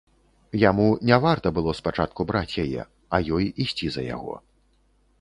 Яму не варта было спачатку браць яе, а ёй ісці за яго.